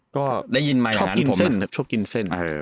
ก็ได้ยินมายนาดิฟท์ชอบกินเส้นชอบกินเส้นใช่